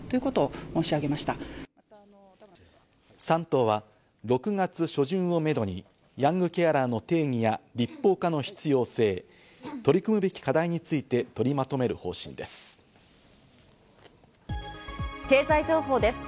３党は６月初旬をめどにヤングケアラーの定義や立法化の必要性、取り組むべき課題について取りまとめる方針です。